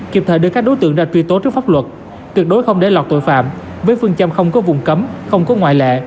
kịp thời đưa các đối tượng ra truy tố trước pháp luật tuyệt đối không để lọt tội phạm với phương châm không có vùng cấm không có ngoại lệ